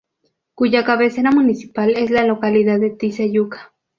Cuya cabecera municipal es la localidad de Tizayuca.